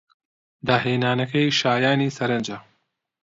داهێنانەکەی شایانی سەرنجە.